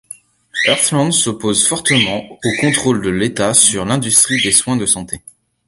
Heartland s'oppose fortement au contrôle de l’État sur l'industrie des soins de santé.